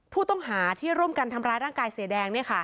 ผู้ต้องหาที่ร่วมกันทำร้ายร่างกายเสียแดง